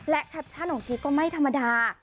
แคปชั่นของชีสก็ไม่ธรรมดา